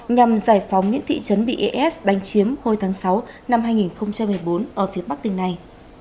nhằm giải phóng những thị trấn bị is đánh chiếm hồi tháng sáu năm hai nghìn một mươi bốn ở phía bắc tỉnh này